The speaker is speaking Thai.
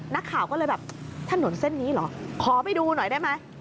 นักข่าวก็เลยแบบถนนเส้นนี้เหรอขอไปดูหน่อยได้ไหม